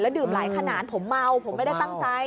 ดื่มหลายขนาดผมเมาผมไม่ได้ตั้งใจ